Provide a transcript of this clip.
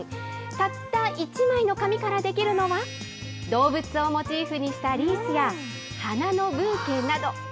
たった１枚の紙から出来るのは、動物をモチーフにしたリースや花のブーケなど。